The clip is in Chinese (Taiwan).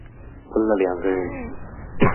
問了兩個人